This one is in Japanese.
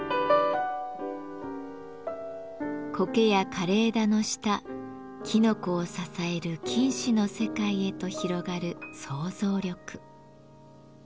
コケや枯れ枝の下きのこを支える菌糸の世界へと広がる想像力。